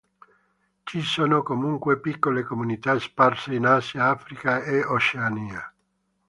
Ci sono comunque piccole comunità sparse in Asia, Africa e Oceania.